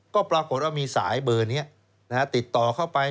ก็ปรากฏว่ามีสายเบอร์นี้ติดต่อเข้าไป